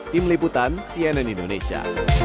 tim liputan cnn indonesia